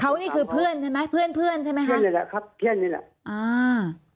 เขานี่คือเพื่อนใช่ไหมเพื่อนเพื่อนใช่ไหมคะเพื่อนเลยแหละครับเพื่อนนี่แหละอ่า